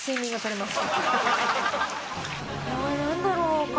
何だろうか？